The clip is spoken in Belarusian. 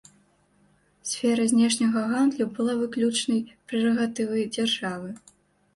Сфера знешняга гандлю была выключнай прэрагатывай дзяржавы.